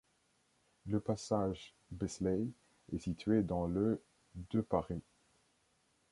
Le passage Beslay est situé dans le de Paris.